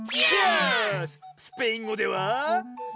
スペイン語では。